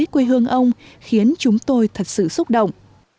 quê hương ông khiến chúng tôi thật sự xúc động